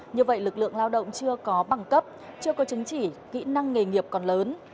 như vậy lực lượng lao động chưa có bằng cấp chưa có chứng chỉ kỹ năng nghề nghiệp còn lớn